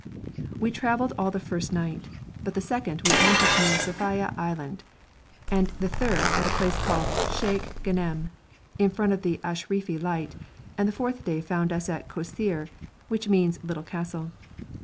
We travelled all the first night, but the second we anchored near Safaia Island, and the third at a place called Sheikh Ganem, in front of the Ashrafi Light, and the fourth day found us at Kosseir, which means 'little castle.'